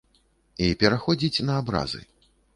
І пераходзіць на абразы.